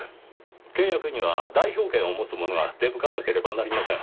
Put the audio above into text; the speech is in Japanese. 契約には代表権を持つ者が出向かなければなりません。